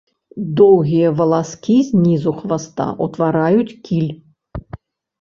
Доўгія валаскі знізу хваста ўтвараюць кіль.